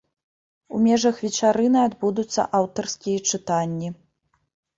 У межах вечарыны адбудуцца аўтарскія чытанні.